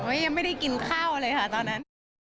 ยังไม่ได้กินข้าวเลยค่ะตอนนั้น